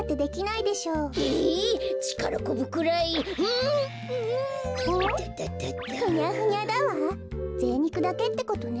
ぜいにくだけってことね。